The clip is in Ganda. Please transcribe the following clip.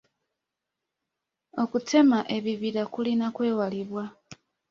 Okutema ebibira kulina okwewalibwa.